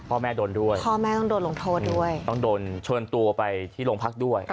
พ่อแม่โดนด้วยพ่อแม่ต้องโดนลงโทษด้วยต้องโดนเชิญตัวไปที่โรงพักด้วย